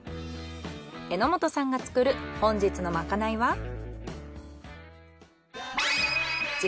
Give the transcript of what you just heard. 榎本さんが作る本日のまかないは？